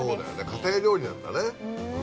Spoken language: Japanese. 家庭料理なんだね。